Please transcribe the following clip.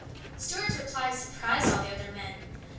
Stuart's reply surprised all the other men.